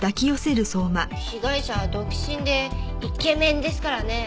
被害者は独身でイケメンですからね。